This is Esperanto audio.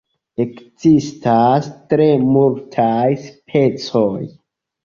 Ekzistas tre multaj specoj.